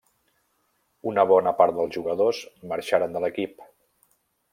Una bona part dels jugadors marxaren de l'equip.